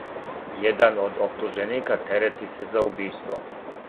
Један од оптуженика терети се за убиство.